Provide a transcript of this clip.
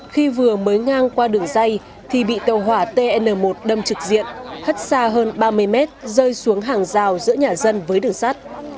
khi vừa mới ngang qua đường dây thì bị tàu hỏa tn một đâm trực diện hắt xa hơn ba mươi mét rơi xuống hàng rào giữa nhà dân với đường sắt